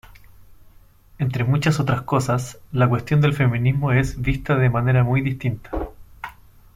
Entre muchas otras cosas, la cuestión del feminismo es vista de manera muy distinta.